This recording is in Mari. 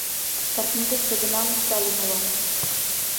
— Картинкыште гына мый Сталин улам.